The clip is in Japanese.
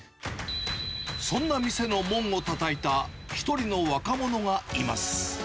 そんな店の門をたたいた１人の若者がいます。